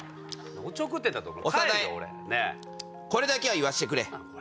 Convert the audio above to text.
「長田へこれだけは言わせてくれ。